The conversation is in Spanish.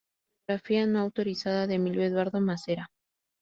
Biografía no autorizada de Emilio Eduardo Massera".